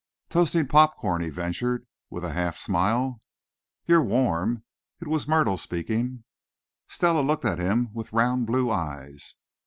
"Toasting pop corn," he ventured with a half smile. "You're warm." It was Myrtle speaking. Stella looked at him with round blue eyes.